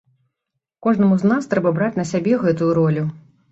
Кожнаму з нас трэба браць на сябе гэтую ролю.